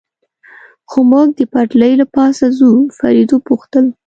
خو موږ د پټلۍ له پاسه ځو، فرید و پوښتل.